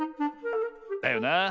だよなあ。